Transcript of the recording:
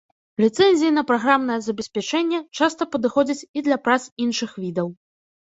Ліцэнзіі на праграмнае забеспячэнне часта падыходзяць і для прац іншых відаў.